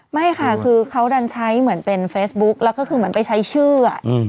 ไม่ค่ะเค้าเบ่งใช้โไฟสต์บุ๊คและมันแบบใช้ชื่อ